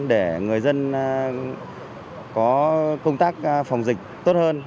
để người dân có công tác phòng dịch tốt hơn